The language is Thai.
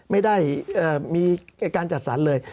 ไม่ได้มีการจัดสรรเลย